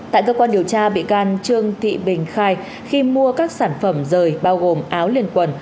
tại cơ quan điều tra bị can trương thị bình khai khi mua các sản phẩm rời bao gồm áo liền quần